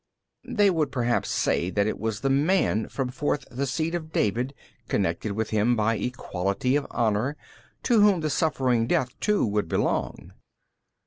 B. They would perhaps say that it was the man from forth the seed of David connected with Him by equality of honour, to whom the suffering death too would belong.